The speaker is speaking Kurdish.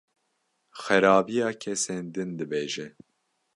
Xerabiya kesên din dibêje.